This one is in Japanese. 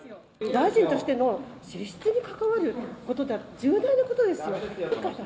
大臣としての資質に関わる重大なことですよ。